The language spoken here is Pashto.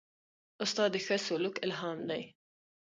استاد د ښه سلوک الهام دی.